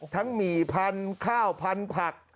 หมี่พันธุ์ข้าวพันธุ์ผัก